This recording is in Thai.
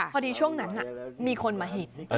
ช่วงนั้นมีคนมาเห็น